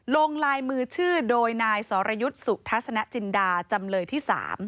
ลงลายมือชื่อโดยนายสรยุทธ์สุทัศนจินดาจำเลยที่๓